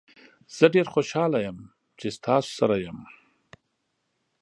زه ډیر خوشحاله یم چې تاسو سره یم.